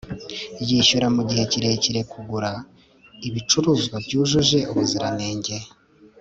yishyura mugihe kirekire kugura ibicuruzwa byujuje ubuziranenge